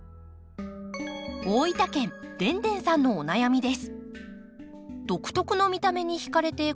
大分県でんでんさんのお悩みです。